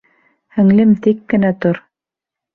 Һеңлем, тик кенә тор!